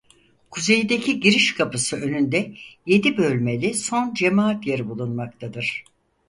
Kuzeydeki giriş kapısı önünde yedi bölmeli son cemaat yeri bulunmaktadır.